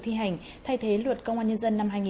thi hành thay thế luật công an nhân dân